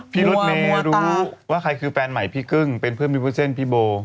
พี่รถเมย์รู้ว่าใครคือแฟนใหม่พี่กึ้งเป็นเพื่อนพี่วุ้นเส้นพี่โบ